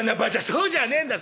「そうじゃねえんだ。